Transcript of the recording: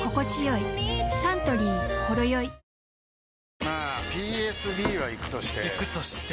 サントリー「ほろよい」まあＰＳＢはイクとしてイクとして？